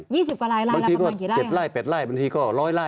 ยี่สิบกว่าลายลายแล้วประมาณกี่ไร่บางทีก็เจ็บไร่แปดไร่บางทีก็ร้อยไร่